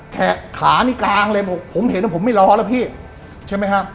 ขานี่กลางเลยผมเห็นว่าผมไม่รอแล้วพี่ใช่ไหมฮะ